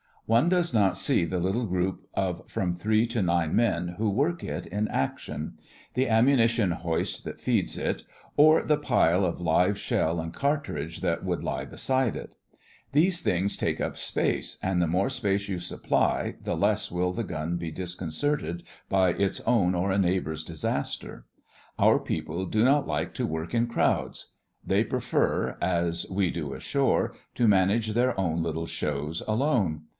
One does not see the little group of from three to nine men who work it in action; the ammunition hoist that feeds it; or the pile of live shell and cartridge that would lie beside it. These things take up space, and the more space you supply, the less will the gun be disconcerted by its own or a neighbour's disaster. Our people do not like to work in crowds. They prefer, as we do ashore, to manage their own little shows alone.